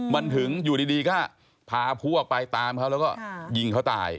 มันถึงอยู่ดีก็พาพวกไปตามเขาแล้วก็ยิงเขาตาย